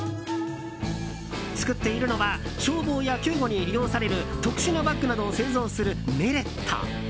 作っているのは消防や救護に利用される特殊なバッグなどを製造するメレット。